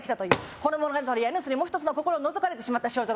「この物語はヤヌスにもう一つの心をのぞかれてしまった少女の」